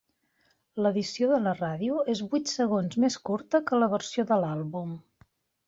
L'edició de ràdio és vuit segons més curta que la versió de l'àlbum.